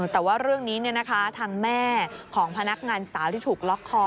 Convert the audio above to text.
แต่ว่าเรื่องนี้ทางแม่ของพนักงานสาวที่ถูกล็อกคอ